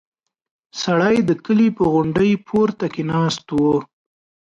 سړی د کلي په غونډۍ پورته کې ناست و.